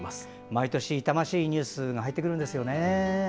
毎年、痛ましいニュースが入ってくるんですよね。